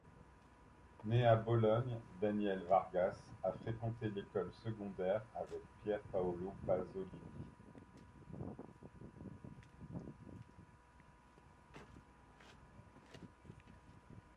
Né à Bologne, Daniele Vargas a fréquenté l'école secondaire avec Pier Paolo Pasolini.